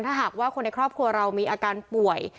ถ้าหากว่าคนในครอบครัวเรามีอาการป่วย